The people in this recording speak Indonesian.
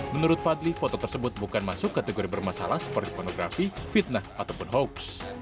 menurut fadli foto tersebut bukan masuk kategori bermasalah seperti pornografi fitnah ataupun hoax